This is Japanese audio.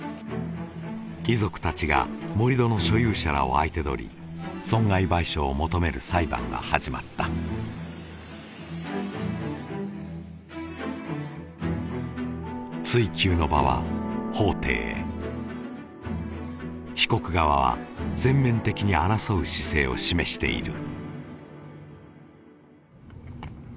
遺族たちが盛り土の所有者らを相手取り損害賠償を求める裁判が始まった追及の場は法廷へ被告側は全面的に争う姿勢を示している